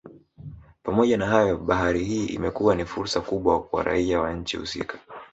Pamoja na hayo bahari hii imekuwa ni fursa kubwa kwa raia wa nchi husika